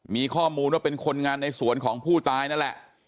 มีข้อมูลว่าเป็นคนงานในสวนของผู้ตายนั่นแหละ